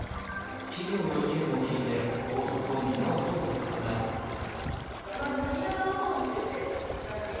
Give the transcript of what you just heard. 企業の意見を聞いて、校則を見直そうと考えたのです。